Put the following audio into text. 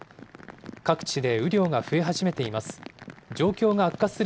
各地で雨量が増え始めています。